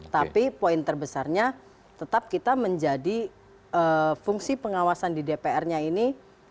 tapi poin terbesarnya tetap kita menjadi fungsi pengawasan di dpr nya ini